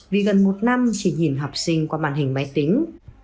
vì gần một năm chỉ nhìn học sinh qua màn hình máy tính